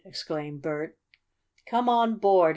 exclaimed Bert. "Come on board!